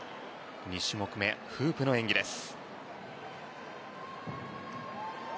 ２種目め、フープの演技です。